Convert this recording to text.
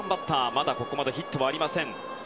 まだここまでヒットはありません。